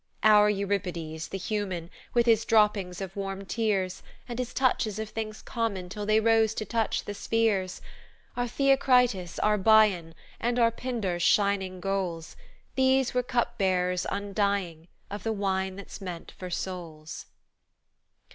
"Our Euripides, the human, With his droppings of warm tears, And his touches of things common Till they rose to touch the spheres! Our Theocritus, our Bion, And our Pindar's shining goals! These were cup bearers undying, Of the wine that's meant for souls."